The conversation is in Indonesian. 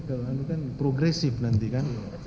itu kan progresif nanti kan